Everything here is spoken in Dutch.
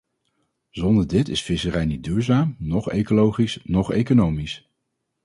Zonder dit is visserij niet duurzaam, noch ecologisch, noch economisch.